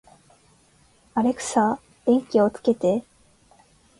アレクサ、電気をつけて